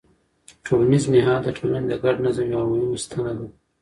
ټولنیز نهاد د ټولنې د ګډ نظم یوه مهمه ستنه ده.